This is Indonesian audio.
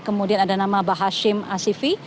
kemudian ada nama bahasim asyifi